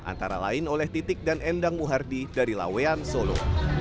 antara lain oleh titik dan endang muhardi dari lawean solo